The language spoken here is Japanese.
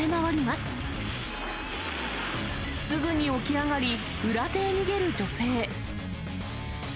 すぐに起き上がり、裏手へ逃げる女性。